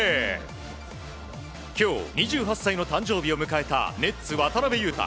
今日、２８歳の誕生日を迎えたネッツ、渡邊雄太。